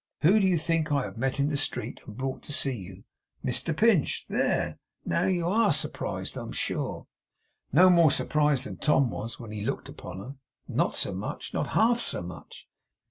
Who do you think I have met in the street, and brought to see you! Mr Pinch! There. Now you ARE surprised, I am sure!' Not more surprised than Tom was, when he looked upon her. Not so much. Not half so much.